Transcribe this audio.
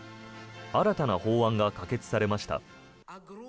新たな法案が可決されました。